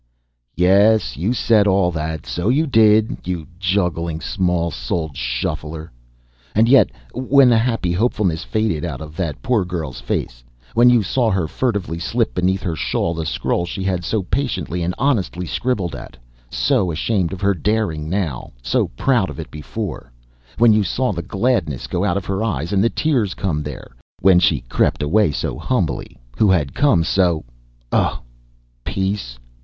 "Yes, you said all that. So you did, you juggling, small souled shuffler! And yet when the happy hopefulness faded out of that poor girl's face, when you saw her furtively slip beneath her shawl the scroll she had so patiently and honestly scribbled at so ashamed of her darling now, so proud of it before when you saw the gladness go out of her eyes and the tears come there, when she crept away so humbly who had come so " "Oh, peace!